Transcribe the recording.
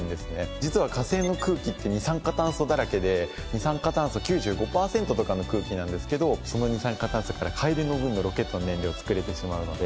実は火星の空気って二酸化炭素だらけで二酸化炭素９５パーセントとかの空気なんですけどその二酸化炭素から帰りの分のロケットの燃料作れてしまうので。